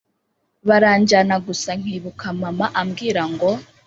baranjyana gusa nkibuka mama ambwira ngo